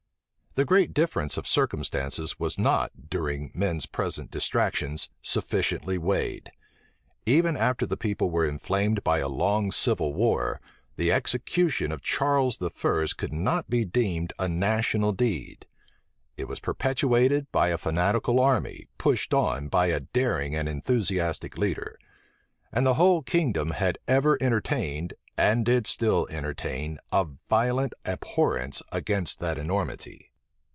The great difference of circumstances was not, during men's present distractions, sufficiently weighed. Even after the people were inflamed by a long civil war, the execution of Charles I. could not be deemed a national deed: it was perpetrated by a fanatical army pushed on by a daring and enthusiastic leader; and the whole kingdom had ever entertained, and did still entertain, a violent abhorrence against that enormity.